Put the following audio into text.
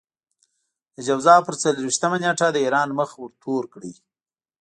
د جوزا پر څلور وېشتمه نېټه د ايران مخ ورتور کړئ.